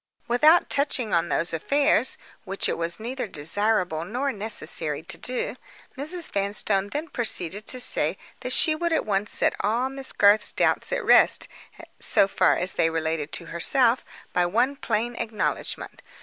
Without touching on those affairs, which it was neither desirable nor necessary to do, Mrs. Vanstone then proceeded to say that she would at once set all Miss Garth's doubts at rest, so far as they related to herself, by one plain acknowledgment.